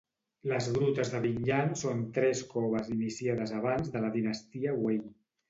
Les grutes de Binyang són tres coves iniciades abans de la dinastia Wei.